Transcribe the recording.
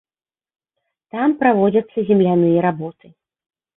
Там праводзяцца земляныя работы.